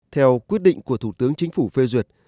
theo quyết định của thủ tướng chính phủ phê duyệt